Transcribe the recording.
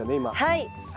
はい！